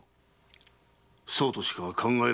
そうとしか考えられんのだ。